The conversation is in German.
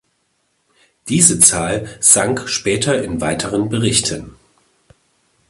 Diese Zahl sank später in weiteren Berichten.